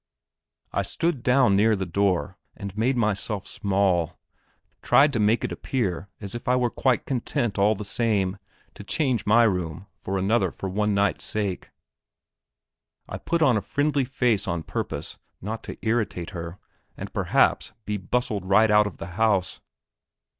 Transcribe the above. I stood down near the door, and made myself small, tried to make it appear as if I were quite content all the same to change my room for another for one night's sake. I put on a friendly face on purpose not to irritate her and perhaps be hustled right out of the house.